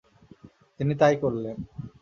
তিনি তা-ই করলেন।